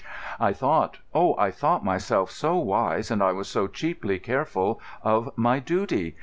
I thought—oh, I thought myself so wise, and I was so cheaply careful of my duty.